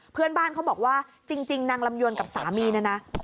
เพื่อนบ้านเขาบอกว่าจริงนางลำยวนกับสามีเนี่ยนะ